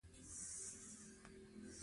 زه هڅه کوم چې منفي فکرونه کم کړم.